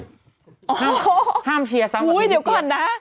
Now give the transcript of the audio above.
ห้ามเชียร์สำหรับทีมอีเจี๊ยบอู้ยเดี๋ยวก่อนนะ